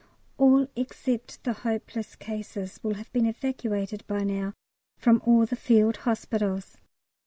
All except the hopeless cases will have been evacuated by now from all the Field Hospitals.